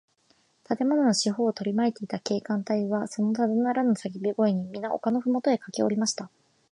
建物の四ほうをとりまいていた警官隊は、そのただならぬさけび声に、みな丘のふもとへかけおりました。